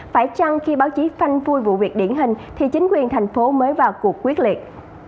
phải chăng khi báo chí phanh phui vụ việc điển hình thì chính quyền thành phố mới vào cuộc quyết liệt